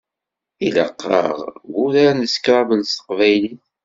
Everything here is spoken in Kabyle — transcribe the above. Ilaq-aɣ wurar n scrabble s teqbaylit.